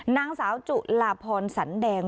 นางสาวจุลาพรสันแดง